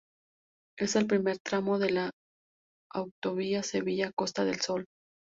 Es el primer tramo de la Autovía Sevilla-Costa del Sol.